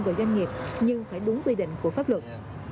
về doanh nghiệp nhưng phải đúng quy định của pháp luật